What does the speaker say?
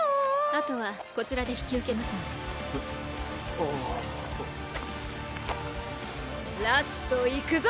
あとはこちらで引き受けますのでえっあラスト行くぞ！